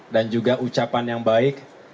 dan juga ucapan yang baik